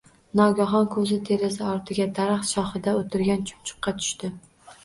Nogahon ko‘zi deraza ortiga – daraxt shoxida o‘tirgan chumchuqqa tushdi.